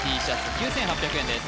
９８００円です